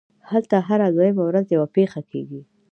هلته هره دویمه ورځ یوه پېښه کېږي